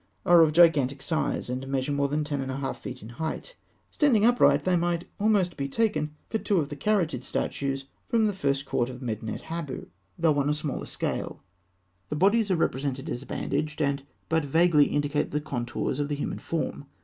are of gigantic size, and measure more than ten and a half feet in height (fig. 263). Standing upright, they might almost be taken for two of the caryatid statues from the first court at Medinet Habû, though on a smaller scale. The bodies are represented as bandaged, and but vaguely indicate the contours of the human form.